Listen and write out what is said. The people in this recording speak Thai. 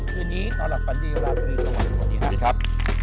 เย็นนี้ตอนหลับฝันดีอยู่ราวที่ดีสวัสดีครับ